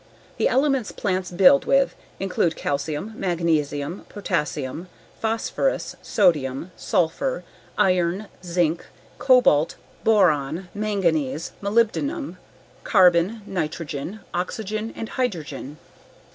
The elements plants build with include calcium, magnesium, potassium, phosphorus, sodium, sulfur, iron, zinc, cobalt, boron, manganese, molybdenum, carbon, nitrogen, oxygen, and hydrogen.